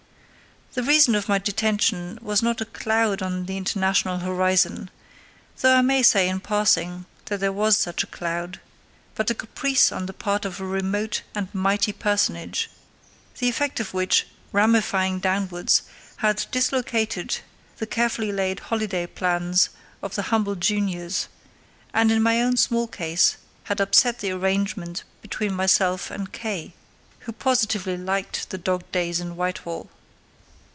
The reason of my detention was not a cloud on the international horizon—though I may say in passing that there was such a cloud—but a caprice on the part of a remote and mighty personage, the effect of which, ramifying downwards, had dislocated the carefully laid holiday plans of the humble juniors, and in my own small case had upset the arrangement between myself and K——, who positively liked the dog days in Whitehall.